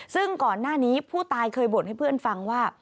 ซึ่งก่อนหน้านี้ผู้ตายเคยบ่นให้เพื่อนฟังว่า